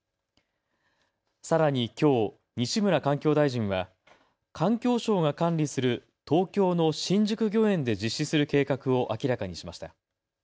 さらに、きょう西村環境大臣は環境省が管理する東京の新宿御苑で実施する計画を明らかにしました。